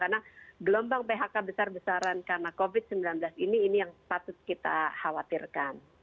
karena gelombang phk besar besaran karena covid sembilan belas ini ini yang patut kita khawatirkan